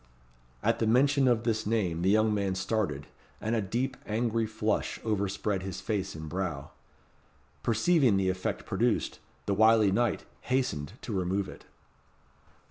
At the mention of this name the young man started, and a deep angry flush overspread his face and brow. Perceiving the effect produced, the wily knight hastened to remove it.